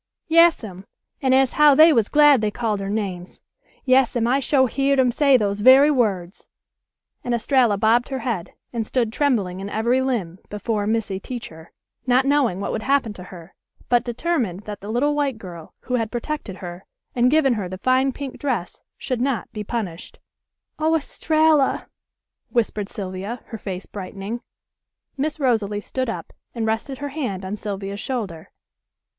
Yas'm; and as how they was glad they called her names. Yas'm, I sho' heered 'em say those very words," and Estralla bobbed her head, and stood trembling in every limb before "Missy Teacher," not knowing what would happen to her, but determined that the little white girl, who had protected her, and given her the fine pink dress, should not be punished. "Oh, Estralla!" whispered Sylvia, her face brightening. Miss Rosalie stood up, and rested her hand on Sylvia's shoulder.